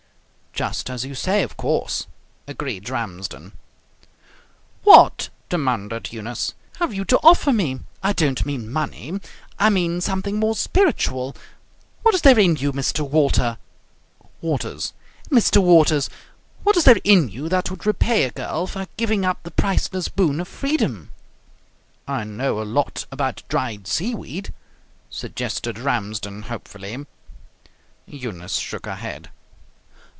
"Just as you say, of course," agreed Ramsden. "What," demanded Eunice, "have you to offer me? I don't mean money. I mean something more spiritual. What is there in you, Mr. Walter " "Waters." "Mr. Waters. What is there in you that would repay a girl for giving up the priceless boon of freedom?" "I know a lot about dried seaweed," suggested Ramsden hopefully. Eunice shook her head.